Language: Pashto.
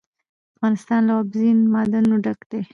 افغانستان له اوبزین معدنونه ډک دی.